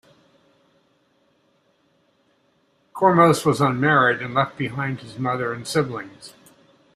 Kormos was unmarried and left behind his mother and siblings.